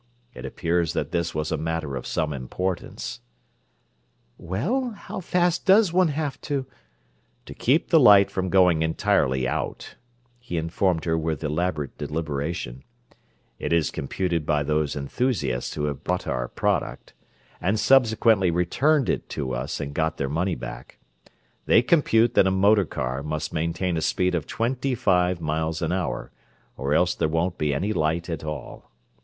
It appears that this was a matter of some importance." "Well, how fast does one have to—" "To keep the light from going entirely out," he informed her with elaborate deliberation, "it is computed by those enthusiasts who have bought our product—and subsequently returned it to us and got their money back—they compute that a motor car must maintain a speed of twenty five miles an hour, or else there won't be any light at all.